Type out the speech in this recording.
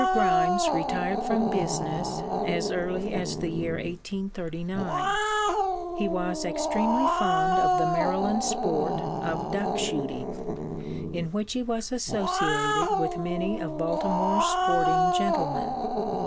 Grimes retired from business as early as the year 1839. He was extremely fond of the Maryland sport of duck shooting, in which he was associated with many of Baltimore's sporting gentlemen.